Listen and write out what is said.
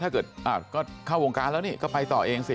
ถ้าเกิดก็เข้าวงการแล้วนี่ก็ไปต่อเองสิ